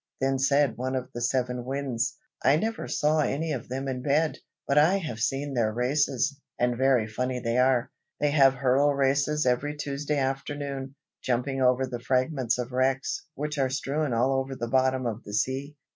Then said one of the seven Winds, "I never saw any of them in bed, but I have seen their races, and very funny they are. They have hurdle races every Tuesday afternoon, jumping over the fragments of wrecks which are strewn all over the bottom of the sea.